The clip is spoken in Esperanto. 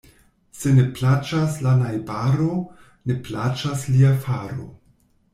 Se ne plaĉas la najbaro, ne plaĉas lia faro.